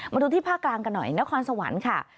มาดูที่ภาคกลางกันหน่อยนครสวรรค์ค่ะ